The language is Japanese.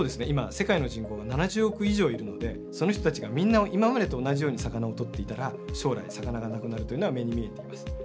今世界の人口が７０億以上いるのでその人たちがみんな今までと同じように魚を取っていたら将来魚がなくなるというのは目に見えています。